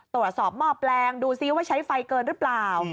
ตรวจสอบหมอบแรงดูสิว่าใช้ไฟเกินหรือเปล่า